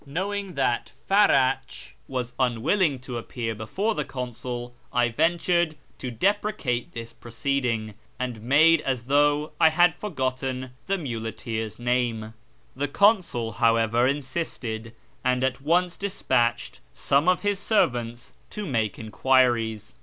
Knowing that Farach was un 36 A YEAR AMONGST THE PERSIANS williiii,' l(» appear before the consul, I ventured to deprecate this i)roeecdin;j:, and made as though I had forgotten the muleteer's name. The consul, however, insisted, and at once desiiatched some of his servants to make enquiries.